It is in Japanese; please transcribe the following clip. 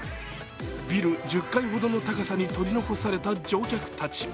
ビル１０階ほどの高さに取り残された乗客たち。